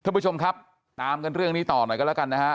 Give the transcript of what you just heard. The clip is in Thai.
ทุกผู้ชมครับตามกันเรื่องนี้ต่อหน่อยกันแล้วกันนะฮะ